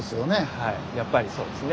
はいやっぱりそうですね。